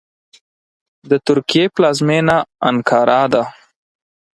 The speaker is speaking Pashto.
د ترکیې پلازمېنه انکارا ده .